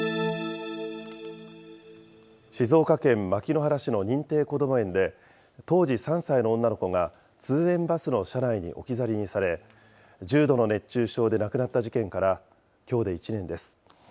静岡県牧之原市の認定こども園で、当時３歳の女の子が通園バスの車内に置き去りにされ、重度の熱中症で亡くなった事件からきょうで１年です。